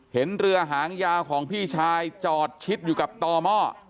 เห็นเรือหางยาวของพี่ชายจอดชิดอยู่กับต่อหม้อ